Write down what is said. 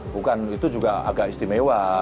bukan itu juga agak istimewa